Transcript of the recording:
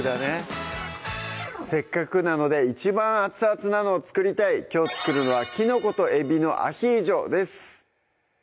せっかくなので一番アツアツなのを作りたいきょう作るのは「きのこと海老のアヒージョ」です